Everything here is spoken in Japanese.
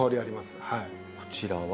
こちらは。